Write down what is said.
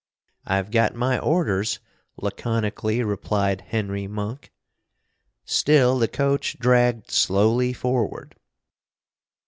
"I've got my orders!" laconically replied Henry Monk. Still the coach dragged slowly forward.